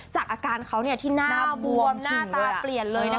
จากอาการเขาที่หน้าบวมหน้าตาเปลี่ยนเลยนะคะ